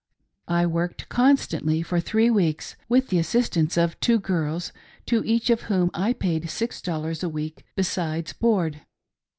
I worked constantly for three weeks, with the assistance of two girls, to each of whom I paid six dollars a week besides board.